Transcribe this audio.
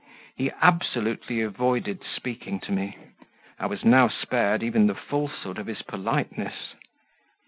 He absolutely avoided speaking to me; I was now spared even the falsehood of his politeness.